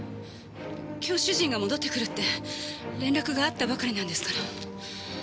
今日主人が戻ってくるって連絡があったばかりなんですから。